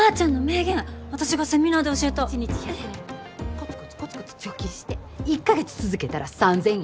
コツコツコツコツ貯金して１カ月続けたら三千円。